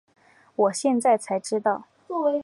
我现在才知道